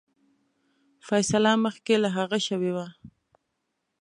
فیصله مخکي له هغه شوې وه.